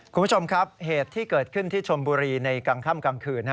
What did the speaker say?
คุณผู้ชมครับเหตุที่เกิดขึ้นที่ชนบุรีในกลางค่ำกลางคืน